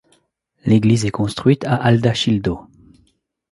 L'église est construite à Aldachildo.